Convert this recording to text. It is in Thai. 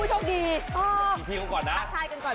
สุดจอดสุดจอดสุดจอด